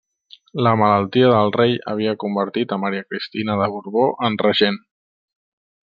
La malaltia del rei havia convertit a Maria Cristina de Borbó en Regent.